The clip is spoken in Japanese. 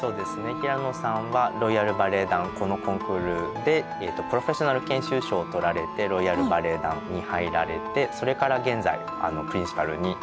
平野さんはロイヤル・バレエ団このコンクールでプロフェッショナル研修賞を取られてロイヤル・バレエ団に入られてそれから現在プリンシパルになられました。